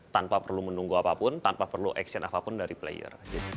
tanpa perlu menunggu apapun tanpa perlu action apapun dari player